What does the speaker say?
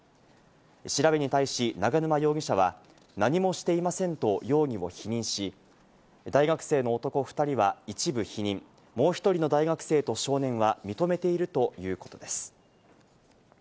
調べに対し永沼容疑者は何もしていませんと容疑を否認し、大学生の男２人は一部否認、もう１人の大学生と少年は認めているということです。